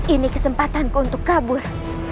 ini kesempatanku untuk kabur